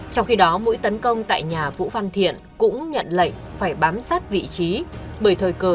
trong khi đó mũi tấn công tại nhà vũ văn thiện cũng nhận lệnh phải bám sát vị trí bởi thời cơ